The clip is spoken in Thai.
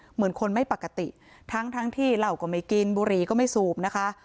เหมือนคนไม่ปกติทั้งทั้งที่เหล้าก็ไม่กินบุหรี่ก็ไม่สูบนะคะ